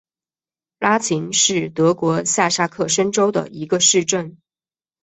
拉岑是德国下萨克森州的一个市镇。